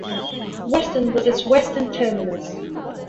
Weston was its western terminus.